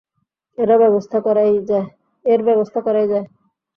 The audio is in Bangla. এর ব্যাবস্থা করাই যায়।